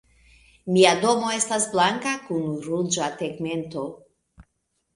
Mia domo estas blanka kun ruĝa tegmento.